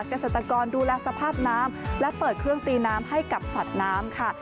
เกษตรกรดูแลสภาพน้ำและเปิดเครื่องตีน้ำให้กับสัตว์น้ำค่ะ